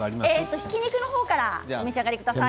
ひき肉の方から召し上がってください。